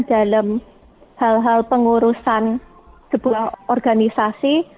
dalam hal hal pengurusan sebuah organisasi